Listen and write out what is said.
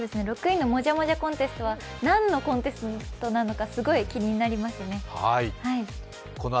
６位のもじゃもじゃコンテストは何のコンテストなのかすごい気になりますね。